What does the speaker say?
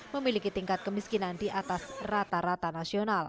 memiliki tingkat kemiskinan di atas rata rata nasional